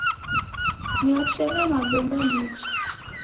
Niochere mabemba nije.